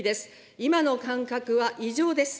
今の感覚は異常です。